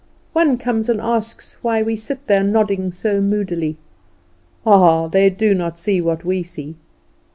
One comes and asks why we sit there nodding so moodily. Ah, they do not see what we see.